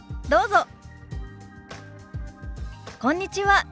どうぞ。